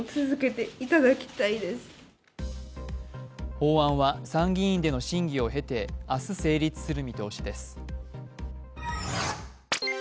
法案は参議院での審議を経て、明日、成立する見通しです。